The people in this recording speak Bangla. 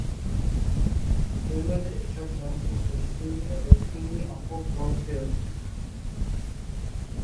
জৈনদের এসব গ্রন্থ পশ্চিমী ও দক্ষিণী অপভ্রংশে রচিত।